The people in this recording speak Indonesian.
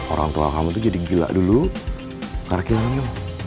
orang tua kamu tuh jadi gila dulu karena kilangnya